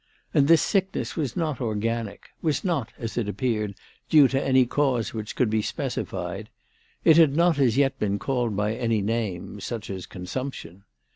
And this sickness was not organic, was not, as it appeared, due to any cause which could be specified. It had not as yet been called by any name, such as consumption.